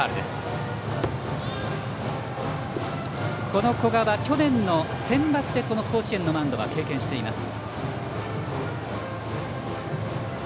この古賀は去年のセンバツで甲子園のマウンドを経験しています。